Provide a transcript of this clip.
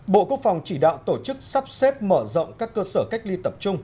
bộ quốc phòng chỉ đạo tổ chức sắp xếp mở rộng các cơ sở cách ly tập trung